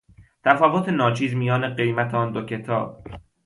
تفاوت ناچیز میان قیمت آن دو کتاب